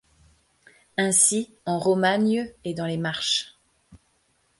Ainsi en Romagne et dans les Marches.